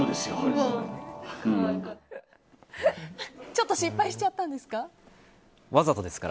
ちょっと失敗しちゃったんですか？